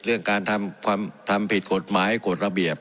เรื่องการทำผิดกฎหมายกฎระเบียบ